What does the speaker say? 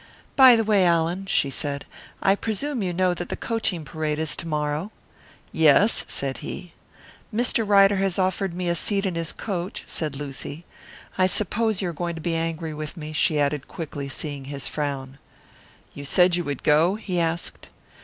"By the way, Allan," she said, "I presume you know that the coaching parade is to morrow." "Yes," said he. "Mr. Ryder has offered me a seat on his coach," said Lucy. "I suppose you are going to be angry with me," she added quickly, seeing his frown. "You said you would go?" he asked.